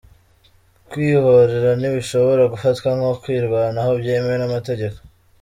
Kwihorera ntibishobora gufatwa nko kwirwanaho byemewe n’amategeko.